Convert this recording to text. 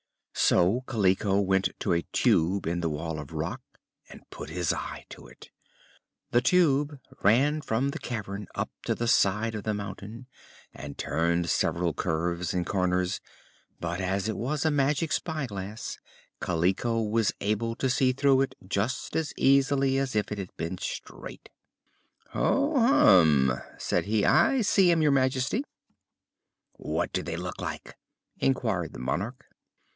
So Kaliko went to a tube in the wall of rock and put his eye to it. The tube ran from the cavern up to the side of the mountain and turned several curves and corners, but as it was a magic spyglass Kaliko was able to see through it just as easily as if it had been straight. "Ho hum," said he. "I see 'em, Your Majesty." "What do they look like?" inquired the Monarch.